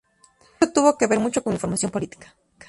Eso tuvo que ver mucho con mi formación política.